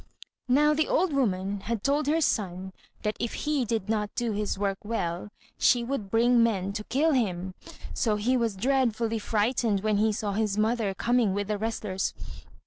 Now the old woman had told her son that if he did not do his work well, she would bring men to kill him; so he was dreadfully frightened when he saw his mother coming with the wrestlers.